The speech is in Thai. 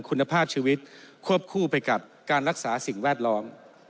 คุณภาพชีวิตควบคู่ไปกับการรักษาสิ่งแวดล้อม